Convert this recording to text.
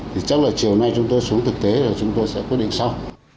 thì chắc là chiều nay chúng tôi xuống thực tế là chúng tôi sẽ quyết định sau